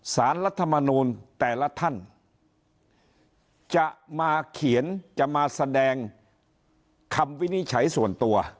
รัฐมนูลแต่ละท่านจะมาเขียนจะมาแสดงคำวินิจฉัยส่วนตัว